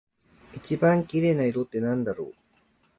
一番綺麗な色ってなんだろう？